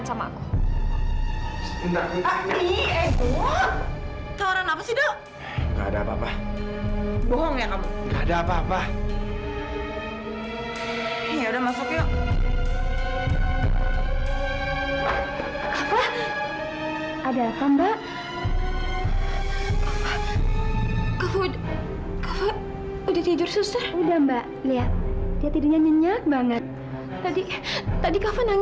sampai jumpa di video selanjutnya